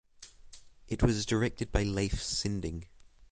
It was directed by Leif Sinding.